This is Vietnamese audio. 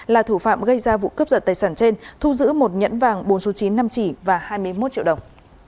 là thủ phạm gây ra vụ cướp giật tài sản trên thu giữ một nhẫn vàng bốn số chín năm chỉ và hai mươi một triệu đồng